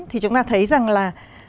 thì chúng ta thấy rằng là